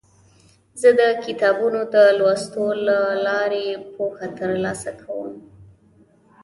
زه د کتابونو د لوستلو له لارې پوهه ترلاسه کوم.